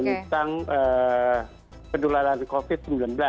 tentang penularan covid sembilan belas